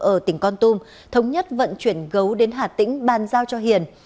ở tỉnh con tum thống nhất vận chuyển gấu đến hà tĩnh bàn giao cho hiền